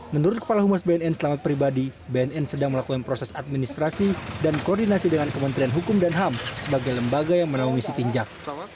menurut kepala humas bnn selamat pribadi bnn sedang melakukan proses administrasi dan koordinasi dengan kementerian hukum dan ham sebagai lembaga yang menaungi sitinjak